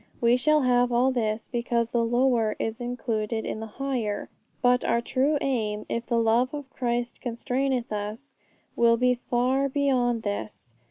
We shall have all this, because the lower is included in the higher; but our true aim, if the love of Christ constraineth us, will be far beyond this.